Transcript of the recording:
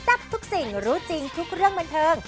ทับทุกสิ่งรู้จริงทุกเรื่องบันเทิง